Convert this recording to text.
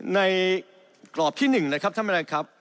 ในกรอบที่๑นะครับท่านประธานครับ